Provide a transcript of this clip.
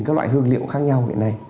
các loại hương liệu khác nhau